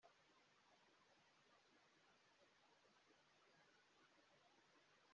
ikaba ifite ibyumba bitandatu n’ubwiherero n’ubwogero bubiri bwo mu nzu